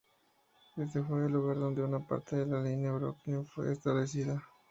Este fue el lugar donde una parte de la línea de Brooklyn fue establecida.